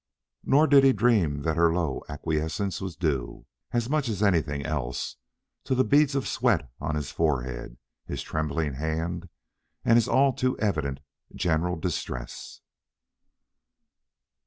Nor did he dream that her low acquiescence was due, as much as anything else, to the beads of sweat on his forehead, his trembling hand, and his all too evident general distress.